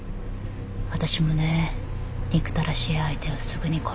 私もね憎たらしい相手はすぐに殺さない。